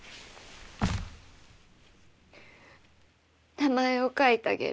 名前を書いたげる。